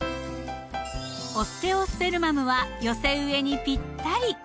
オステオスペルマムは寄せ植えにぴったり！